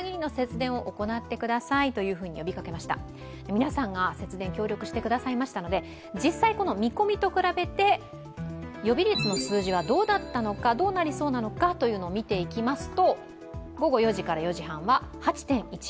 皆さんが節電、協力してくださいましたので実際、この見込みと比べて予備率の数字はどうだったのか、どうなりそうなのかを見ていきます。